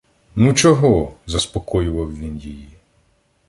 — Ну, чого? — заспокоював він її.